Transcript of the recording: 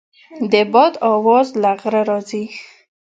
د باد اواز له غره راځي.